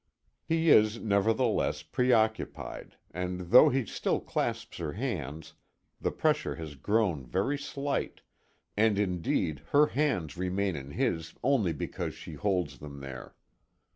He is, nevertheless, preoccupied, and though he still clasps her hands, the pressure has grown very slight, and indeed her hands remain in his only because she holds them there.